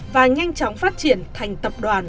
và nhanh chóng phát triển thành tập đoàn